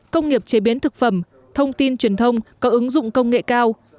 công nghiệp chế biến thực phẩm thông tin truyền thông có ứng dụng công nghệ cao